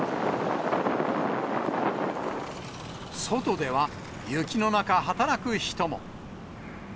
外では雪の中、働く人も。